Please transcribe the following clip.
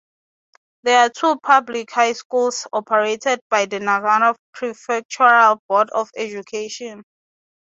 There are two public high schools operated by the Nagano Prefectural Board of Education.